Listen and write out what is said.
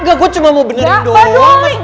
gak gue cuma mau benerin doang